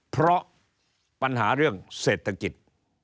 เพราะปัญหาเรื่องเศรษฐกิจ